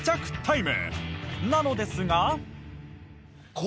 なのですが。